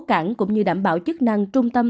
cảng cũng như đảm bảo chức năng trung tâm